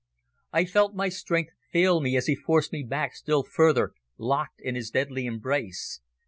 I felt my strength fail me as he forced me back still further, locked in his deadly embrace.